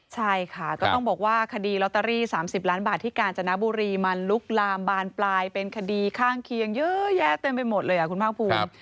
ใช่ค่ะก็ต้องบอกว่าคดีลอตเตอรี่๓๐ล้านบาทที่กาญจนบุรีมันลุกลามบานปลายเป็นคดีข้างเคียงเยอะแยะเต็มไปหมดเลยคุณภาคภูมิ